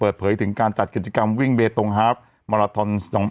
เปิดเผยถึงการจัดกิจกรรมวิ่งเบตงฮาร์ฟมาราทอน๒๐